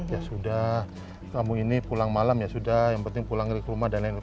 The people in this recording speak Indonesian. ya sudah kamu ini pulang malam ya sudah yang penting pulang ke rumah dan lain lain